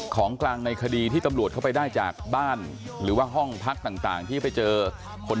ของกลางในคดีที่ตำรวจเข้าไปได้จากบ้านหรือว่าห้องพักต่างที่ไปเจอคน